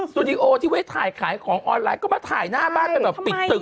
ตูดิโอที่ไว้ถ่ายขายของออนไลน์ก็มาถ่ายหน้าบ้านเป็นแบบปิดตึก